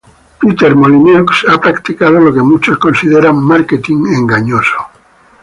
Peter Molyneux ha practicado lo que muchos consideran marketing engañoso.